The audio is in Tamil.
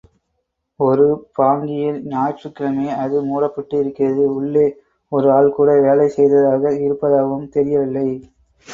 ஒரு பாங்கியில் ஞாயிற்றுக்கிழமை அது மூடப்பட்டு இருக்கிறது உள்ளே ஒரு ஆள்கூட வேலை செய்ததாக இருப்பதாகவும் தெரியவில்லை.